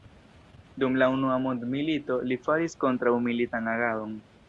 Dum la unua mondmilito, li faris kontraŭ-militan agadon.